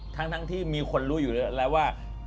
ทั้งที่มีคนรู้อยู่แล้วว่า